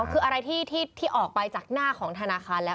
คืออะไรที่ออกไปจากหน้าของธนาคารแล้ว